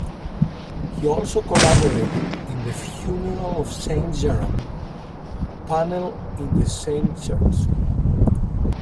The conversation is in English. He also collaborated in the "Funeral of Saint Jerome" panel in the same church.